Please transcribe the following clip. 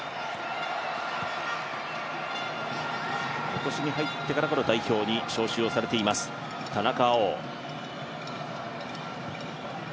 今年に入ってから代表に招集されています田中碧。